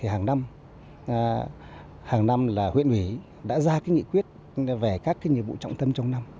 hàng năm huyện ủy đã ra nghị quyết về các nhiệm vụ trọng tâm trong năm